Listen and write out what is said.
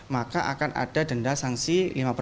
maka akan ada denda sanksi